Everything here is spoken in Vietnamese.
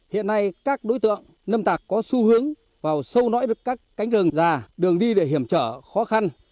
hiện nay các đối tượng lâm tạc có xu hướng vào sâu nói với các cánh rừng già đường đi để hiểm trở khó khăn